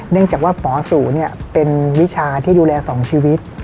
เนื่องจากว่าหมอสู่เป็นวิชาที่ดูแลสองชีวิต